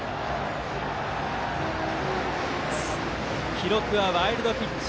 記録はワイルドピッチ。